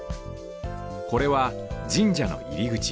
これは神社のいりぐち